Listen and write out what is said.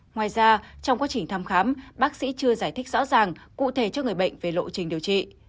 ngoài ra trong quá trình thăm khám bác sĩ chưa giải thích rõ ràng cụ thể cho người bệnh về lộ trình điều trị